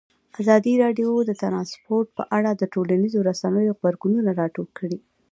ازادي راډیو د ترانسپورټ په اړه د ټولنیزو رسنیو غبرګونونه راټول کړي.